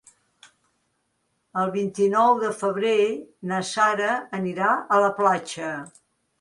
El vint-i-nou de febrer na Sara anirà a la platja.